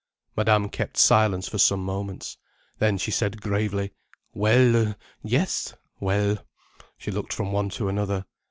Madame kept silence for some moments. Then she said gravely: "Well!—yes!—well!" She looked from one to another.